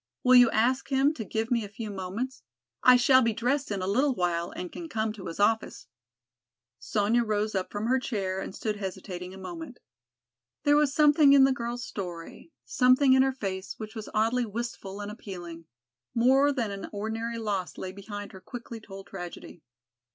Will you ask him to give me a few moments? I shall be dressed in a little while and can come to his office." Sonya rose up from her chair and stood hesitating a moment. There was something in the girl's story, something in her face which was oddly wistful and appealing. More than an ordinary loss lay behind her quickly told tragedy.